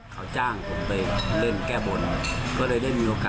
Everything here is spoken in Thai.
รับปากแล้วก็แต่ง